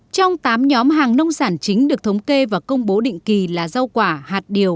trong tám nhóm hàng nông sản chính được thống kê và công bố định kỳ là rau quả hạt điều